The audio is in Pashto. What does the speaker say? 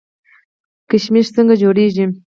کشمش څنګه جوړیږي؟